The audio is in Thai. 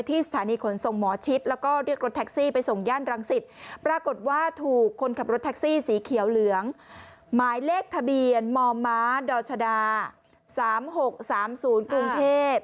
ตาดรชดาสามหกสามศูนย์กรุงเทพฯ